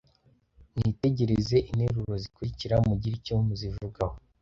Mwitegereze interuro zikurikira mugire icyo muzivugaho